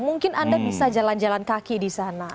mungkin anda bisa jalan jalan kaki di sana